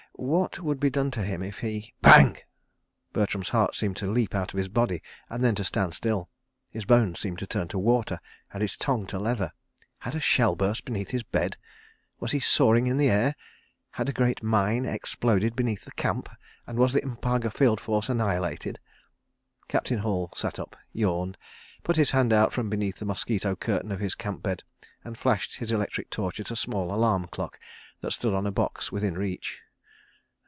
... What would be done to him if he— Bang! ... Bertram's heart seemed to leap out of his body and then to stand still. His bones seemed to turn to water, and his tongue to leather. Had a shell burst beneath his bed? ... Was he soaring in the air? ... Had a great mine exploded beneath the Camp, and was the M'paga Field Force annihilated? ... Captain Hall sat up, yawned, put his hand out from beneath the mosquito curtain of his camp bed and flashed his electric torch at a small alarm clock that stood on a box within reach.